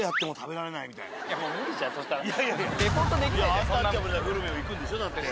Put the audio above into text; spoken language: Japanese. いやアンタッチャブルなグルメを行くんでしょだって。